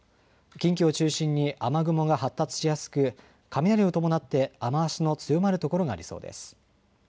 近畿を中心に雨雲が発達しやすく雷を伴って雨足の強まる所がありそうです。